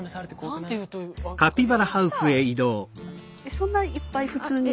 そんないっぱい普通に。